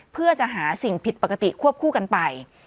เพื่อจะหาสิ่งผิดปกติควบคู่กันไป